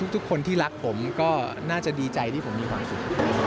ทุกคนที่รักผมก็น่าจะดีใจที่ผมมีความสุข